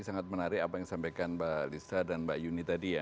sangat menarik apa yang disampaikan mbak lisa dan mbak yuni tadi ya